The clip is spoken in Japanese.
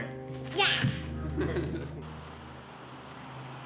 や！